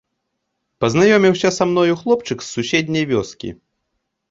Пазнаёміўся са мною хлопчык з суседняй вёскі.